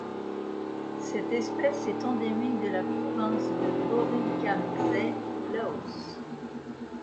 Cette espèce est endémique de la province de Borikhamxay au Laos.